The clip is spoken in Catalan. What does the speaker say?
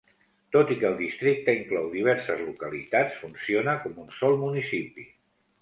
Tot i que el Districte inclou diverses localitats, funciona com un sol municipi.